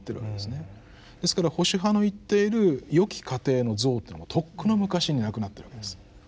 ですから保守派の言っているよき家庭の像というのはとっくの昔になくなってるわけです。